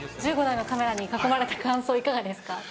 １５台のカメラに囲まれた感想、いかがですか。